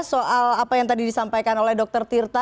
soal apa yang tadi disampaikan oleh dr tirta